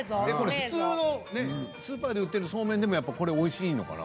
普通のスーパーで売っているそうめんでもこれおいしいのかな。